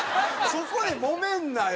そこでもめるなよ！